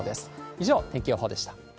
以上、天気予報でした。